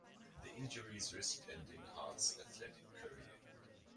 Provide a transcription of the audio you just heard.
The injuries risked ending Hart's athletic career.